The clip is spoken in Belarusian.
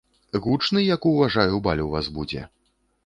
Гучны, як уважаю, баль у вас будзе.